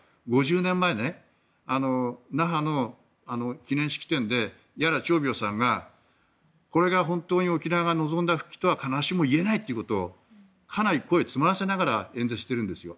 ５０年前、那覇の記念式典で町長さんがこれが本当に沖縄が望んだ復帰とは必ずしも言えないとかなり声を詰まらせながら演説してるんですよ。